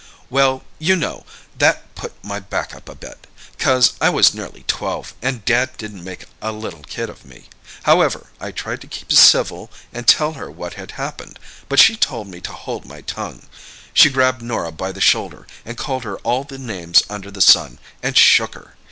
"Well, you know, that put my back up a bit—'cause I was nearly twelve, and Dad didn't make a little kid of me. However, I tried to keep civil, and tell her what had happened; but she told me to hold my tongue. She grabbed Norah by the shoulder, and called her all the names under the sun, and shook her.